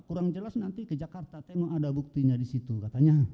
kurang jelas nanti ke jakarta tembak ada buktinya disitu katanya